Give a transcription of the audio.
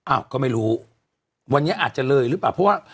อ้าวก็ไม่รู้วันนี้อาจจะเลยหรือเปล่า